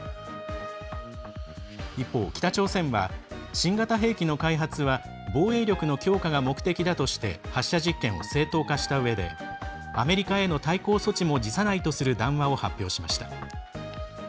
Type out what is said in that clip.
一方、北朝鮮は新型兵器の開発は防衛力の強化が目的だとして発射実験を正当化したうえでアメリカへの対抗措置も辞さないとする談話を発表しました。